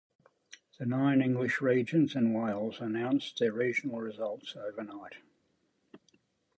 The nine English regions and Wales announced their regional results overnight.